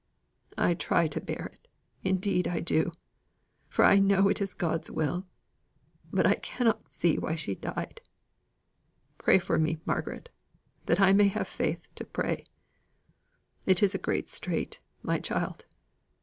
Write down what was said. I try to bear it: indeed I do. I know it is God's will. But I cannot see why she died. Pray for me, Margaret, that I may have faith to pray. It is a great strait, my child."